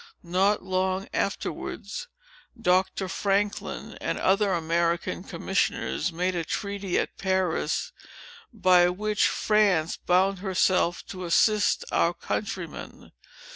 Not long afterwards, Doctor Franklin and other American commissioners made a treaty at Paris, by which France bound herself to assist our countrymen.